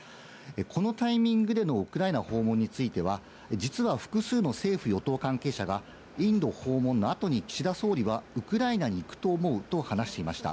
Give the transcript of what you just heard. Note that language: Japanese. このタイミングでのウクライナ訪問については、実は複数の政府・与党関係者がインド訪問の後に岸田総理はウクライナに行くと思うと話していました。